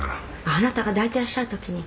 「あなたが抱いていらっしゃる時に」